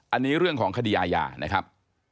อันนี้เรื่องของคดีอาญานะครับ